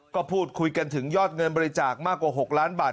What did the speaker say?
ก็พูดคุยกันถึงยอดเงินบริจาคมากกว่า๖ล้านบาท